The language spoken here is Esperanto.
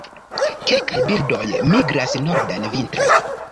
Kelkaj birdoj migras norden vintre.